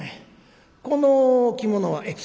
「この着物は？」。